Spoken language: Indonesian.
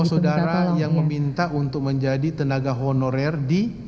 saudara yang meminta untuk menjadi tenaga honorer di